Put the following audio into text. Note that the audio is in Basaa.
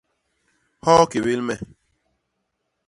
Hoo kébél me.